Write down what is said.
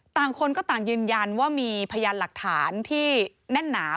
ต่างคนก็ต่างยืนยันว่ามีพยานหลักฐานที่แน่นหนา